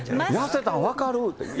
痩せたん分かる？